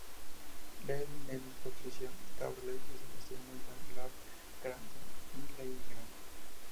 Lady Edith Patricia Crawley es la segunda hija de Lord Grantham y Lady Grantham.